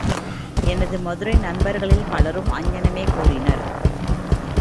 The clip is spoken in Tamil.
எனது மதுரை நண்பர்களில் பலரும் அங்ஙனமே கூறினர்.